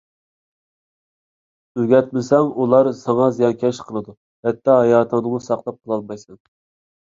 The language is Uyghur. ئۆگەتمىسەڭ، ئۇلار ساڭا زىيانكەشلىك قىلىدۇ. ھەتتا ھاياتىڭنىمۇ ساقلاپ قالالمايسەن.